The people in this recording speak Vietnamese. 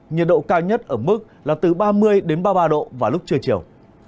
nhiệt độ cao nhất ở mức là từ ba mươi ba mươi ba độ vào lúc trưa chiều